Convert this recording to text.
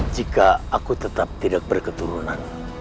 jika aku tetap tidak berketurunan